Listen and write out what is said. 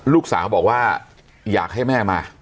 ลูกสาวบอกว่าอยากให้แม่มา